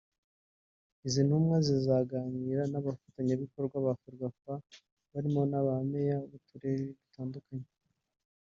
izi ntumwa zizaganira n’abafatanyabikorwa ba Ferwafa barimo abameya b’uturere dutandukanye